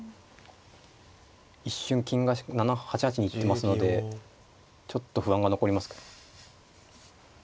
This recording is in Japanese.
一瞬金が８八に行ってますのでちょっと不安が残ります。